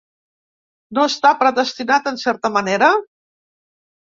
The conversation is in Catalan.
No està predestinat en certa manera?